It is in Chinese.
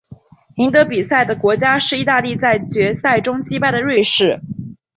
赢得比赛的国家是意大利在决赛中击败瑞士。